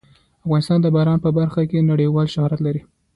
افغانستان د باران په برخه کې نړیوال شهرت لري.